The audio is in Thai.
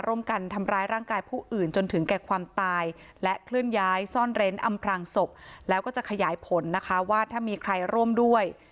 ร่วมกันทำร้ายร่างกายผู้อื่นจนถึงแก่ความตายและเคลื่อนย้ายซ่อนเร้นอำพรางศพแล้วก็จะขยายผลนะคะว่าถ้ามีใครร่วมด้วย